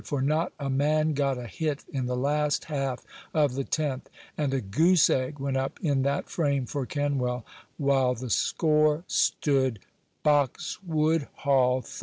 For not a man got a hit in the last half of the tenth, and a goose egg went up in that frame for Kenwell, while the score stood Boxwood Hall, 13.